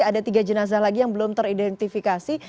ada tiga jenazah lagi yang belum teridentifikasi